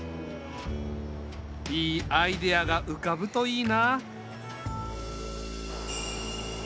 いいアイデアがうかぶといいな。